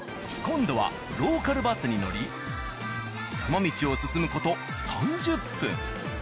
今度はローカルバスに乗り山道を進む事３０分。